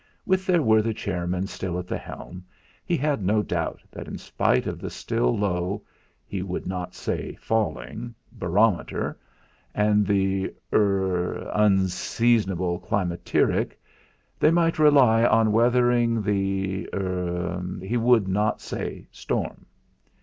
With their worthy chairman still at the helm, he had no doubt that in spite of the still low he would not say falling barometer, and the er unseasonable climacteric, they might rely on weathering the er he would not say storm.